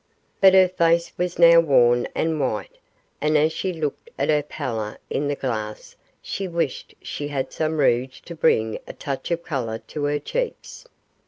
But her face was now worn and white, and as she looked at her pallor in the glass she wished she had some rouge to bring a touch of colour to her cheeks.